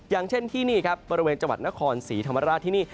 อย่างเช่นที่นี่ครับบริเวณจังหวัดนครศรีธรรมราชที่นี่